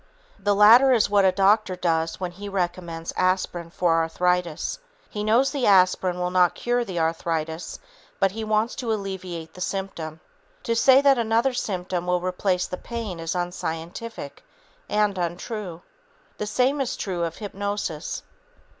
The latter is what a doctor does when he recommends aspirin for arthritis. He knows the aspirin will not cure the arthritis, but he wants to alleviate the symptom. To say that another symptom will replace the pain is unscientific and untrue. The same is true of hypnosis.